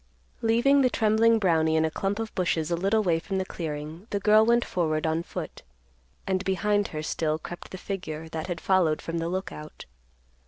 Leaving the trembling Brownie in a clump of bushes a little way from the clearing, the girl went forward on foot, and behind her still crept the figure that had followed from the Lookout.